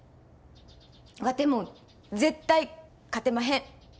ワテも絶対勝てまへん。